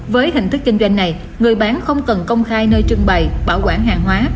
với hình thức kinh doanh này người bán không cần công khai nơi trưng bày bảo quản hàng hóa